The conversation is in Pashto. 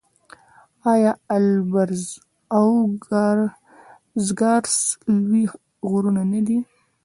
آیا البرز او زاگرس لوی غرونه نه دي؟